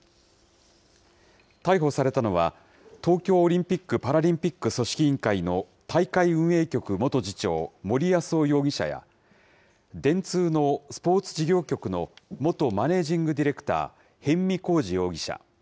逮捕されたのは、東京オリンピック・パラリンピック組織委員会の大会運営局元次長、森泰夫容疑者や、電通のスポーツ事業局の元マネージング・ディレクター、逸見晃治容疑者。